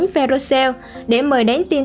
verocell để mời đánh tiêm